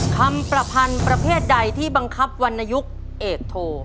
คำประพันธ์ประเภทใดที่บังคับวันนายกเอกโท